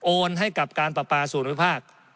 โอนให้กับการปรับปราสูญภาพ